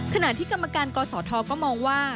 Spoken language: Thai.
ขณะที่กรรมการกศธก็มองว่า